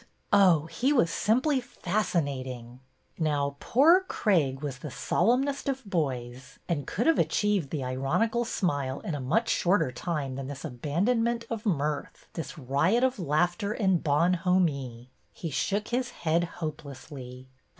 Oh, he was simply fascinating! " BETTY AND CRAIG 103 Now, poor Craig was the solemnest of boys and could have achieved the ironical smile in a much shorter time than this abandonment of mirth, this riot of laughter and bonhomie. He shook his head hopelessly.